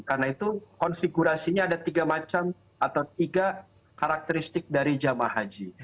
karena itu konfigurasinya ada tiga macam atau tiga karakteristik dari jamaah haji